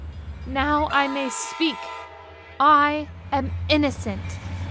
Now I may speak! I am innocent."